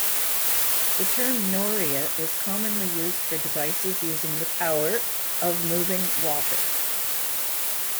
The term noria is commonly used for devices using the power of moving water.